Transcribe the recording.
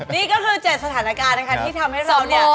นี่ก็คือ๗สถานการณ์นะคะที่ทำให้เราเนี่ย